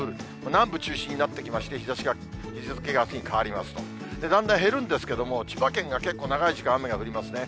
南部中心になってきまして、日付があすに変わりますと、だんだん減るんですけれども、千葉県が結構長い時間、雨が降りますね。